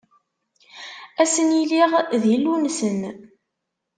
A sen-iliɣ d Illu-nsen.